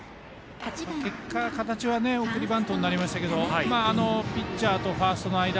結果、形は送りバントになりましたけどピッチャーとファーストの間。